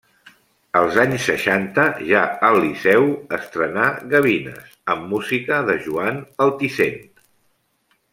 Als anys seixanta, ja al Liceu, estrena Gavines, amb música de Joan Altisent.